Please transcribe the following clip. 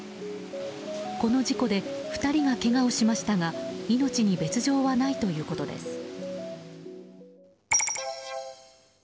この事故で２人がけがをしましたが命に別条はないということです。